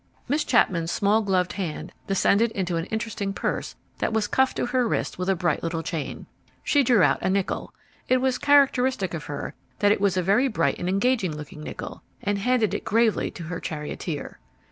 Miss Chapman's small gloved hand descended into an interesting purse that was cuffed to her wrist with a bright little chain. She drew out a nickel it was characteristic of her that it was a very bright and engaging looking nickel and handed it gravely to her charioteer.